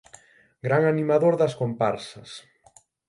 Gran animador das comparsas.